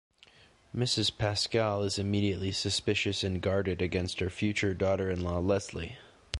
Mrs. Pascal is immediately suspicious and guarded against her future daughter-in-law Lesly.